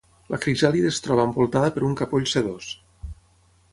La crisàlide es troba envoltada per un capoll sedós.